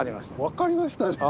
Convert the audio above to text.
わかりましたね。